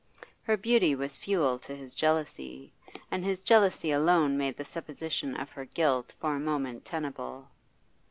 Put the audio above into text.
Her beauty was fuel to his jealousy, and his jealousy alone made the supposition of her guilt for a moment tenable.